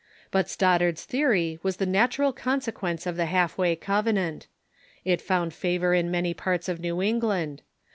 But Stoddard's theory was the natural consequence of the Half way Covenant. It found favor in many parts of New Eng land.